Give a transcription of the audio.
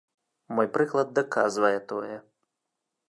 Мой прыклад даказвае тое.